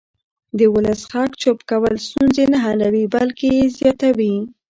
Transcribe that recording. د ولس غږ چوپ کول ستونزې نه حلوي بلکې یې زیاتوي